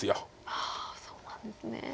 ああそうなんですね。